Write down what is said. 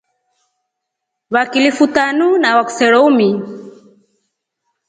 Vakilifu tanu na vakisero umi.